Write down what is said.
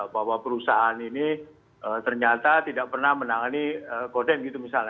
bahwa perusahaan ini ternyata tidak pernah menangani kode gitu misalnya